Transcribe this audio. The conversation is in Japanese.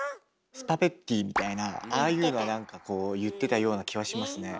スパレッティみたいなああいうのは何かこう言ってたような気はしますね。